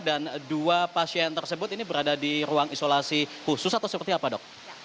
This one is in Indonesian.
dan dua pasien tersebut ini berada di ruang isolasi khusus atau seperti apa dok